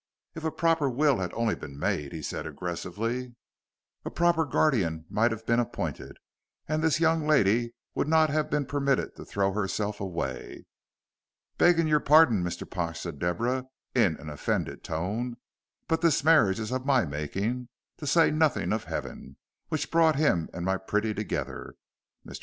"If a proper will had only been made," he said aggressively, "a proper guardian might have been appointed, and this young lady would not have been permitted to throw herself away." "Beggin' your parding, Mr. Pash," said Deborah, in an offended tone, "but this marriage is of my making, to say nothing of Heaven, which brought him and my pretty together. Mr.